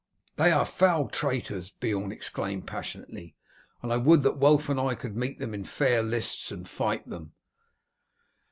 "They are foul traitors!" Beorn exclaimed passionately; "and I would that Wulf and I could meet them in fair lists and fight them."